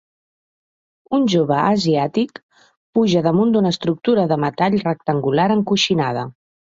Un jove asiàtic puja damunt d'una estructura de metall rectangular encoixinada.